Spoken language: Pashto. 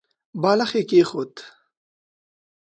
بالښت يې کېښود.